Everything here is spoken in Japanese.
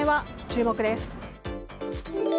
注目です。